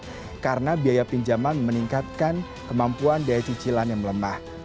kondisi ini bisa menjadi ujian besar bagi pasangan yang menang dan juga untuk pemerintah yang menang dan juga untuk pemerintah yang menang